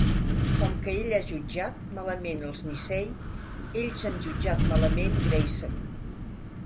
Com que ell ha jutjat malament els Nisei, ells han jutjat malament Grayson.